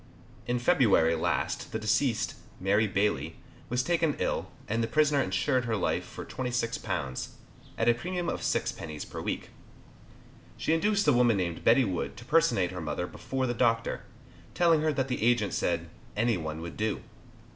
In February last the deceased, Mary Bailey, was taken ill, and the prisoner insured her life for £26, at a premium of 6d. per week. She induced a woman named Betty Wood to personate her mother before the doctor, telling her that the agent said "Any one would do."